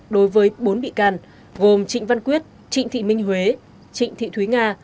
đối với bốn bị can gồm trịnh văn quyết trịnh thị minh huế trịnh thị thúy nga